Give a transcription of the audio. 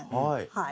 はい。